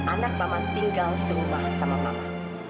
anak mama tinggal serumbah sama mama